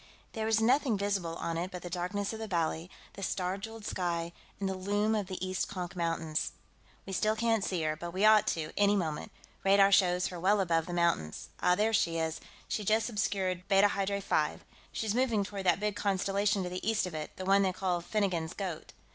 There was nothing visible on it but the darkness of the valley, the star jeweled sky, and the loom of the East Konk Mountains. "We still can't see her, but we ought to, any moment; radar shows her well above the mountains. Ah, there she is; she just obscured Beta Hydrae V; she's moving toward that big constellation to the east of it, the one they call Finnegan's Goat.